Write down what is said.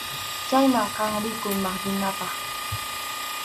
Chayman kaq kiru maqllinapaq.